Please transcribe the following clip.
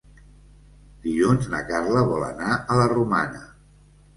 Dilluns na Carla vol anar a la Romana.